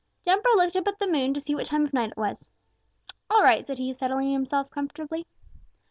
Jumper looked up at the moon to see what time of night it was. "All right," said he, settling himself comfortably.